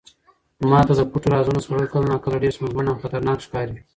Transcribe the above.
ما ته د پټو رازونو سپړل کله ناکله ډېر ستونزمن او خطرناک ښکاري.